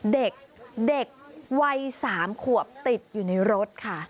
เด็กเด็กวัย๓ขวบติดอยู่ในรถค่ะ